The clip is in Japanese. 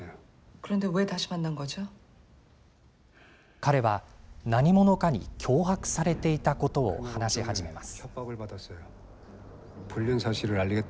彼は、何者かに脅迫されていたことを話し始めます。